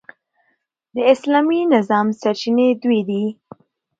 د اسلامي نظام سرچینې دوې دي.